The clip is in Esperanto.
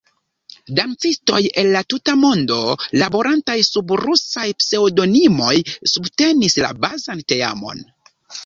Dancistoj el la tuta mondo laborantaj sub rusaj pseŭdonimoj subtenis la bazan teamon.